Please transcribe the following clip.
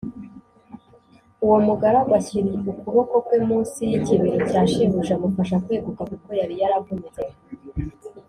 uwo mugaragu ashyira ukuboko kwe munsi y ikibero cya shebuja amufasha kweguka kuko yari yaravunitse.